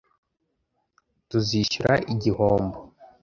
Tuzishyura igihombo.